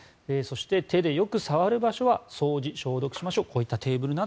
そして手でよく触る場所は消毒、掃除しましょう。